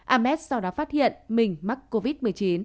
ames sau đó phát hiện mình mắc covid một mươi chín